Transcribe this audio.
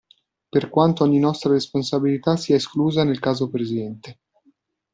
Per quanto ogni nostra responsabilità sia esclusa nel caso presente.